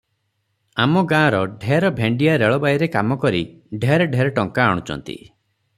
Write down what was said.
ଆମ ଗାଁର ଢେର ଭେଣ୍ଡିଆ ରେଲବାଇରେ କାମ କରି ଢେର ଢେର ଟଙ୍କା ଆଣୁଛନ୍ତି ।